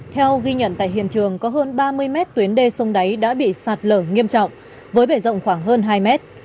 theo ghi nhận tại hiện trường có hơn ba mươi mét tuyến đê sông đáy đã bị sạt lở nghiêm trọng với bể rộng khoảng hơn hai mét